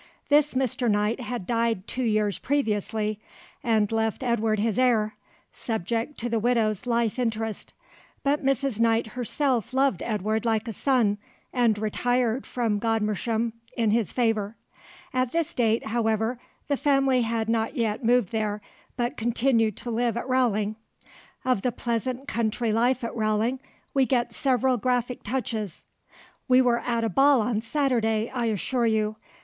This Mr. Knight had died two years previously, and left Edward his heir, subject to the widow's life interest, but Mrs. Knight herself loved Edward like a son and retired from Godmersham in his favour. At this date, however, the family had not yet moved there, but continued to live at Rowling. Of the pleasant country life at Rowling we get several graphic touches. "We were at a ball on Saturday, I assure you.